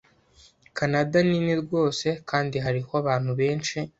Kanada nini rwose kandi hariho abantu benshi.